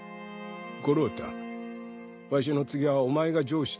五郎太わしの次はお前が城主となる